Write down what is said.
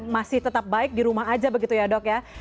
masih tetap baik di rumah aja begitu ya dok ya